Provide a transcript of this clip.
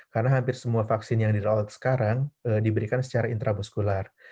karena hampir semua vaksin yang dirolak sekarang diberikan secara intramuskular